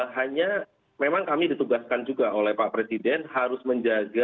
hanya memang kami ditugaskan juga oleh pak presiden harus menjaga